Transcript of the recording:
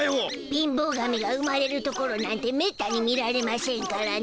貧乏神が生まれるところなんてめったに見られましぇんからね。